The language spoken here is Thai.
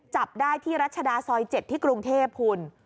จับได้ที่รัชดาซอย๗ที่กรุงเทพคุณ